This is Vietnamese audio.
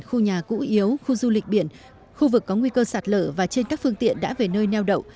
khu nhà cũ yếu khu du lịch biển khu vực có nguy cơ sạt lở và trên các phương tiện đã về nơi neo đậu